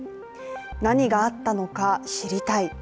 何があったのか知りたい。